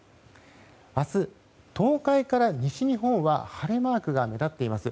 明日、東海から西日本は晴れマークが目立っています。